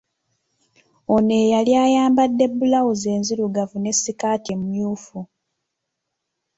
Ono eyali ayambadde bbulawuzi enzirugavu ne ssikaati emyufu.